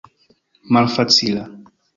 malfacila